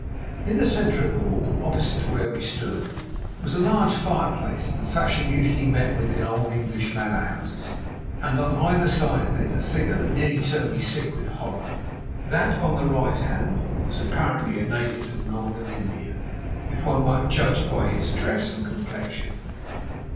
In the centre of the wall, opposite to where we stood, was a large fireplace of the fashion usually met with in old English manor houses, and on either side of it a figure that nearly turned me sick with horror. That on the right hand was apparently a native of Northern India, if one might judge by his dress and complexion.